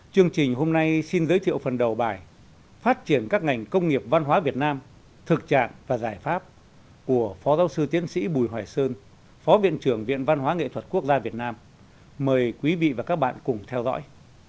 chương trình hôm nay xin giới thiệu phần đầu bài phát triển các ngành công nghiệp văn hóa việt nam thực trạng và giải pháp của phó giáo sư tiến sĩ bùi hoài sơn phó viện trưởng viện văn hóa nghệ thuật quốc gia việt nam mời quý vị và các bạn cùng theo dõi